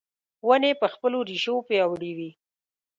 ونې په خپلو رېښو پیاوړې وي .